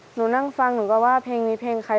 หนูนั่งฟังหนูก็ว่าเพลงนี้เพลงใคร